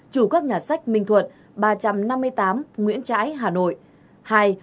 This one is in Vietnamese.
chủ các nhà sách minh thuận ba trăm năm mươi tám nguyễn trãi hà nội